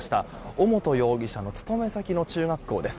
尾本容疑者の勤め先の中学校です。